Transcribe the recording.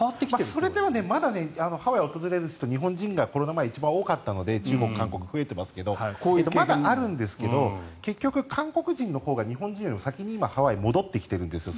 それでもまだハワイを訪れる人コロナ禍前は日本人が一番多かったので中国、韓国増えていますがまだあるんですけど結局、韓国人のほうが日本人よりも先にハワイに戻ってきてるんですよ。